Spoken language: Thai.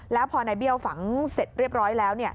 แล้วพอนายเบี้ยวฝังเสร็จเรียบร้อยแล้ว